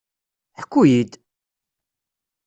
Ḥku-yi-d!